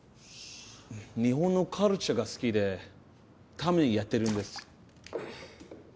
日本のカルチャーが好きでたまにやってるんです。